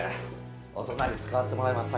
お隣使わせてもらいます